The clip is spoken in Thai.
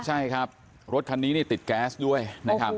ใช่ครับรถคันนี้นี่ติดแก๊สด้วยนะครับ